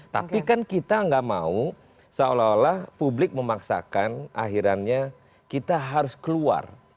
tapi kan kita nggak mau seolah olah publik memaksakan akhirnya kita harus keluar